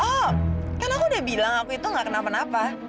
oh kan aku udah bilang aku itu gak kenapa napa